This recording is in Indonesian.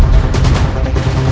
dia yang menang